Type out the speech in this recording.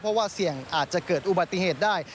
เพราะว่าเสี่ยงอาจจะเกิดอุบัติเหตุได้